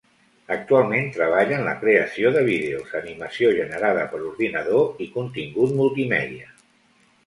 Actualment treballa en la creació de vídeos, animació generada per ordinador i contingut multimèdia.